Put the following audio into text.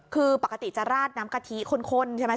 คือปกติจะราดน้ำกะทิข้นใช่ไหม